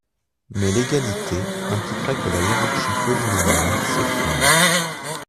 Mais l'égalité impliquerait que la hiérarchie polynomiale s'effondre.